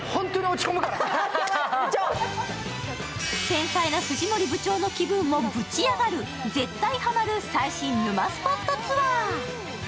繊細な藤森部長の気分もぶち上がる、絶対ハマる最新沼スポットツアー。